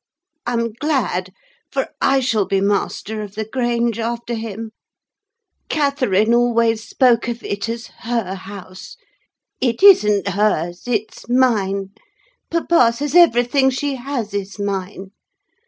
I'm glad, for I shall be master of the Grange after him. Catherine always spoke of it as her house. It isn't hers! It's mine: papa says everything she has is mine.